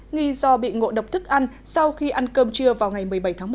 nghi do bị ngộ độc thức ăn sau khi ăn cơm trưa vào ngày một mươi bảy tháng một